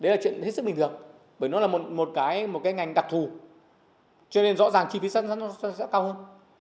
đấy là chuyện hết sức bình thường bởi nó là một ngành đặc thù cho nên rõ ràng chi phí sẽ cao hơn